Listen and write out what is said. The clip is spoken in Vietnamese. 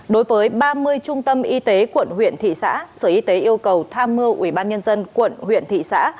đối với ba mươi trung tâm y tế quận huyện thị xã sở y tế yêu cầu tham mưu ubnd quận huyện thị xã